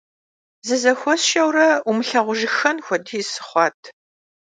Зызэхуэсшэурэ, умылъагъужыххэн хуэдиз сыхъуат.